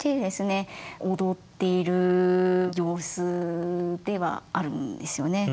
踊っている様子ではあるんですよね。